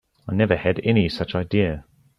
I never had any such idea.